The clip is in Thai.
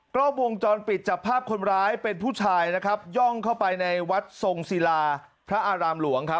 กล้องวงจรปิดจับภาพคนร้ายเป็นผู้ชายนะครับย่องเข้าไปในวัดทรงศิลาพระอารามหลวงครับ